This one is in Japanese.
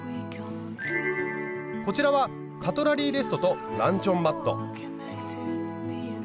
こちらはカトラリーレストとランチョンマット。